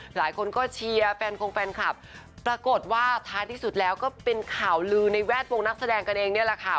หลายคนก็เชียร์แฟนคงแฟนคลับปรากฏว่าท้ายที่สุดแล้วก็เป็นข่าวลือในแวดวงนักแสดงกันเองนี่แหละค่ะ